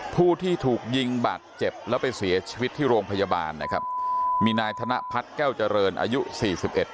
ผู้ที่ถูกยิงบาดเจ็บแล้วไปเสียชีวิตที่โรงพยาบาลนะครับมีนายธนพัฒน์แก้วเจริญอายุสี่สิบเอ็ด